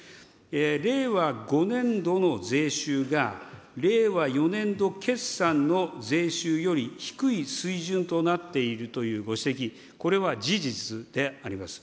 令和５年度の税収が令和４年度決算の税収より低い水準となっているというご指摘、これは事実であります。